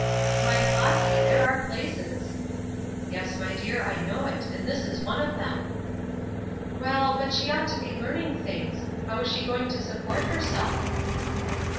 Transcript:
"Why, Flossy, there are places." "Yes, my dear, I know it, and this is one of them." "Well, but she ought to be learning things. How is she going to support herself?"